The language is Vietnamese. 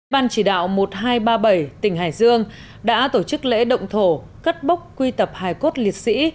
ban chỉ đạo một nghìn hai trăm ba mươi bảy tỉnh hải dương đã tổ chức lễ động thổ cất bốc quy tập hải cốt liệt sĩ